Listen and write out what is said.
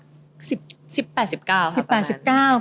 ๑๘๑๙ประมาณนั้น